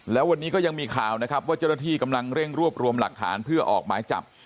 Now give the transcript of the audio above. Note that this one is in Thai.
แล้ววันนี้ก็ยังมีข่าวนะครับว่าเจ้าหน้าที่กำลังเร่งรวบรวมหลักฐานเพื่อออกหมายจับ